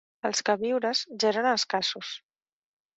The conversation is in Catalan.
Els queviures ja eren escassos.